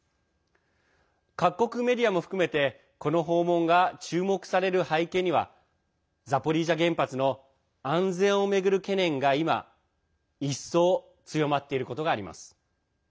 各国メディアも含めてこの訪問が注目される背景にはザポリージャ原発の安全を巡る懸念が今、一層強まっていることがあります。